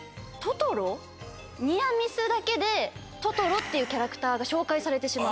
ニアミスだけでトトロっていうキャラクターが紹介されてしまう。